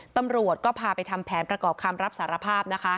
ตำรวจก็พาไปทำแผนประกอบคำรับสารภาพนะคะ